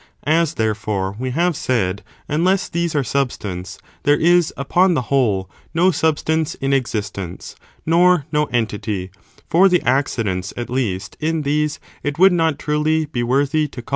As, therefore, we have said, unless these are substance, there is, upon the whole, no substance in existence, nor no entity, for the accidents, at least, in these it would not, truly, be worthy to call entities.